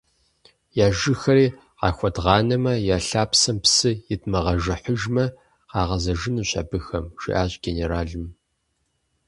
- Я жыгхэри къахуэдгъанэмэ, я лъапсэм псы идмыгъэжыхьыжмэ, къагъэзэжынущ абыхэм, – жиӏащ генералым.